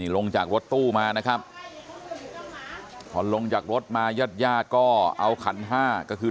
ลงจากรถตู้มานะครับพอลงจากรถมาญาติญาติก็เอาขันห้าก็คือ